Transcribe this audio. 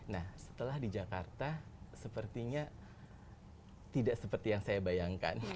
nah setelah di jakarta sepertinya tidak seperti yang saya bayangkan